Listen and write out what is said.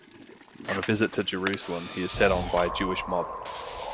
On a visit to Jerusalem he is set on by a Jewish mob.